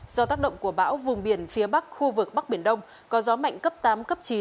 do tác động của bão vùng biển phía bắc khu vực bắc biển đông có gió mạnh cấp tám cấp chín